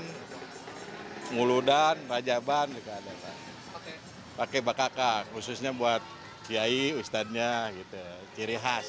hai nguludan rajaban juga ada pakai baka khususnya buat kiai ustadznya gitu ciri khas